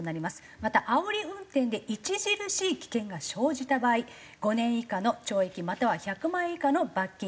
またあおり運転で著しい危険が生じた場合５年以下の懲役または１００万円以下の罰金。